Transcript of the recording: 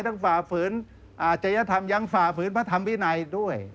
ฝ่าฝืนอาจยธรรมยังฝ่าฝืนพระธรรมวินัยด้วย